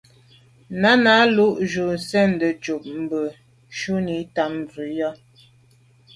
Náná lù gə́ sɔ̀ŋdə̀ ncúp bû shúnì tâm prǐyà.